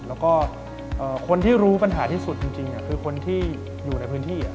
แล้วก็คนที่รู้ปัญหาที่สุดจริงคือคนที่อยู่ในพื้นที่